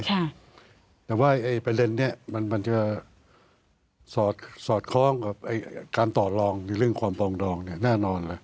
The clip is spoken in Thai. แต่ว่าประเด็นนี้มันมันจะสอดสอดคล้องกับการต่อรองในเรื่องความปลองดองเนี่ยแน่นอนล่ะ